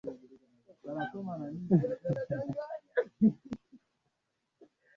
pia imekuwa lugha rasmi halafu lugha nyingine za jamii mbalimbali